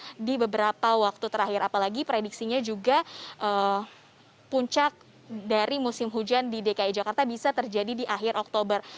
karena di beberapa waktu terakhir apalagi prediksinya juga puncak dari musim hujan di dki jakarta bisa terjadi di akhir oktober